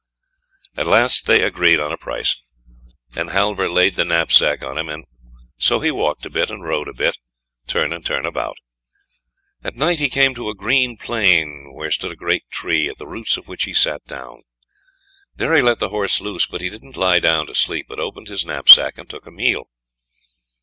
At last they agreed on the price, and Halvor laid the knapsack on him, and so he walked a bit, and rode a bit, turn and turn about. At night he came to a green plain where stood a great tree, at the roots of which he sat down. There he let the horse loose, but he didn't lie down to sleep, but opened his knapsack and took a meal.